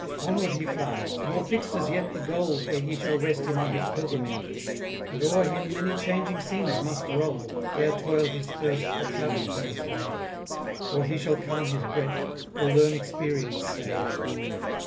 Onward he flies, nor fixed as yet the goal Where he shall rest him on his pilgrimage; And o'er him many changing scenes must roll, Ere toil his thirst for travel can assuage, Or he shall calm his breast, or learn experience sage.